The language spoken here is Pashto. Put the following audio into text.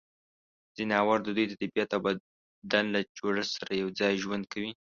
ځناور د دوی د طبعیت او بدن له جوړښت سره یوځای ژوند کوي.